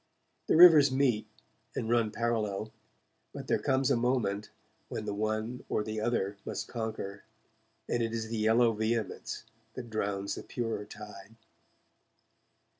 The rivers meet, and run parallel, but there comes a moment when the one or the other must conquer, and it is the yellow vehemence that drowns the purer tide.